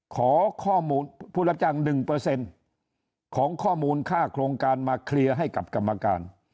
ขอข้อมูลผู้รับจ้าง๑ของข้อมูลค่าโครงการมาเคลียร์ให้กับกรรมการ